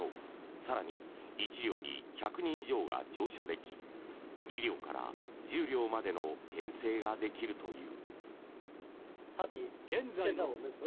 更に１両に１００人以上が乗車でき２両から１０両までの編成ができるという。